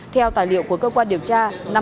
theo tài liệu của cơ quan điều tra